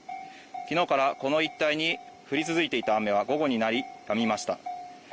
昨日からこの一帯に降り続いていた雨は午後になり、やみました。